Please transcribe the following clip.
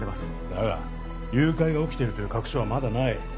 ダメだ誘拐が起きているという確証はまだない